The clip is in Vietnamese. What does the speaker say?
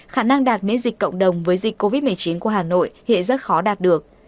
khả năng đạt miễn dịch cộng đồng với dịch covid một mươi chín của hà nội hiện rất khó đạt được